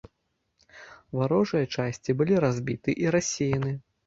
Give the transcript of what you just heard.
Варожыя часці былі разбіты і рассеяны.